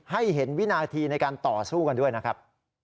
ให้เห็นวินาทีในการต่อสู้กันด้วยนะครับ